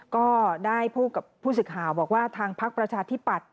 ก็ได้พูดกับผู้ศึกษาบอกว่าทางภักร์ประชาธิบัตร